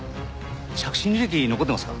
着信履歴残ってますか？